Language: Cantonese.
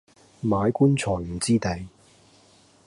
買棺材唔知埞